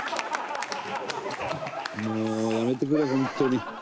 もうやめてくれ本当に。